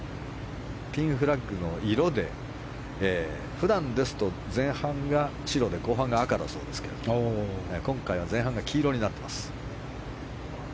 ピンフラッグの色で普段ですと前半が白、後半が赤だそうですが今回は前半が黄色になってます。